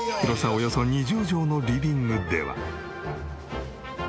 およそ２０畳のリビングでは。